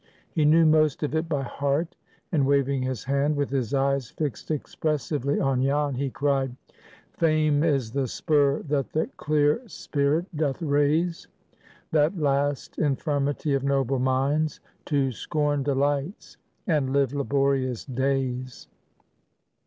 He knew most of it by heart, and waving his hand, with his eyes fixed expressively on Jan, he cried,— "Fame is the spur that the clear spirit doth raise (That last infirmity of noble minds) To scorn delights, and live laborious days."